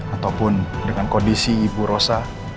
ataupun dengan kondisi ibu rosa